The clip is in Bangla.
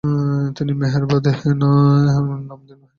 তিনি মেহেরাবাদ নাম দেন, স্থানান্তরিত হন।